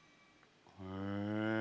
へえ。